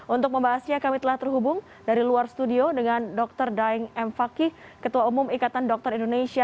untuk membahasnya kami telah terhubung dari luar studio dengan dr daeng m fakih ketua umum ikatan dokter indonesia